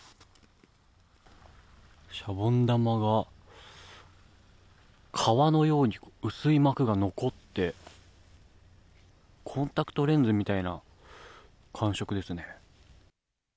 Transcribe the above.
シャボン玉が皮のように薄い膜が残ってコンタクトレンズみたいな感触ですね。